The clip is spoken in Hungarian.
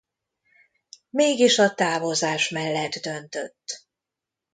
Mégis a távozás mellett döntött.